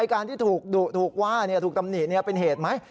การที่ถูกดุถูกว่าถูกตำหนิเป็นเหตุไหม